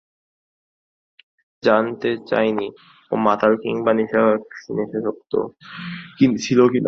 জানতে চাইনি ও মাতাল কিংবা নেশাসক্ত ছিল কিনা।